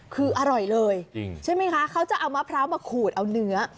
คืออร่อยเลยใช่ไหมคะเขาจะเอามะพร้าวมาขูดเอาเนื้อ